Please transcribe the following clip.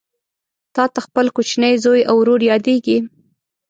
تاته خپل کوچنی زوی او ورور یادیږي